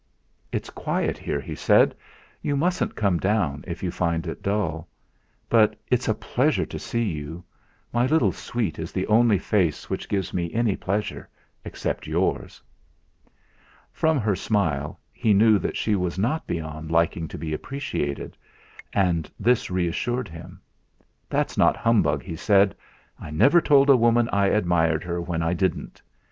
"It's quiet here," he said; "you mustn't come down if you find it dull. But it's a pleasure to see you. My little sweet is the only face which gives me any pleasure, except yours." From her smile he knew that she was not beyond liking to be appreciated, and this reassured him. "That's not humbug," he said. "I never told a woman I admired her when I didn't.